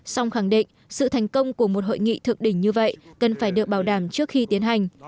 song khẳng định sự thành công của một hội nghị thượng đỉnh như vậy cần phải được bảo đảm trước khi tiến hành